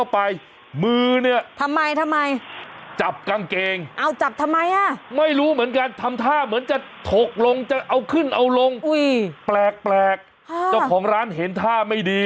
ผู้หญิงกันทำท่าเหมือนจะถกลงจะเอาขึ้นเอาลงอุ้ยแปลกจ้าของร้านเห็นท่าไม่ดี